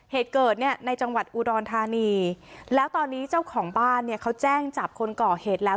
เหตุเกิดเนี่ยในจังหวัดอุดรธานีแล้วตอนนี้เจ้าของบ้านเนี่ยเขาแจ้งจับคนก่อเหตุแล้ว